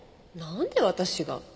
なんで私が？